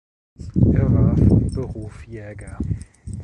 Er war von Beruf Jäger.